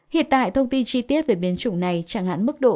hiện tại thông tin chi tiết về biến chủng này chẳng hạn mức độ